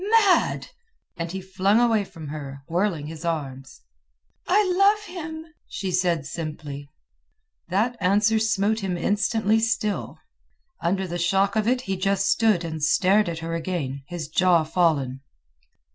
"Mad!" and he flung away from her, whirling his arms. "I love him," she said simply. That answer smote him instantly still. Under the shock of it he just stood and stared at her again, his jaw fallen.